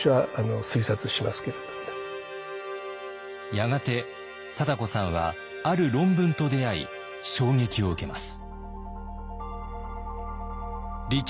やがて貞子さんはある論文と出会い衝撃を受けます。